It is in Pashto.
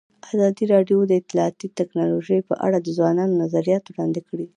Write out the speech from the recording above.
ازادي راډیو د اطلاعاتی تکنالوژي په اړه د ځوانانو نظریات وړاندې کړي.